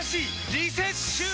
リセッシュー！